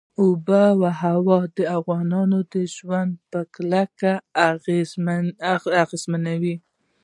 آب وهوا د افغانانو ژوند په کلکه اغېزمنوي.